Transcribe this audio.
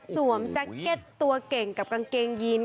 แจ็คเก็ตตัวเก่งกับกางเกงยีน